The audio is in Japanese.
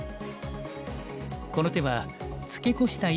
この手はツケコした